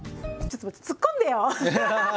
ちょっと待って突っ込んでよ！